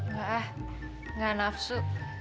gak ah gak nafsu